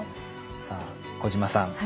さあ小島さん